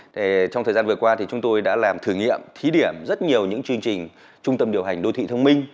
trong thời gian vừa qua thì chúng tôi đã làm thử nghiệm thí điểm rất nhiều những chương trình trung tâm điều hành đô thị thông minh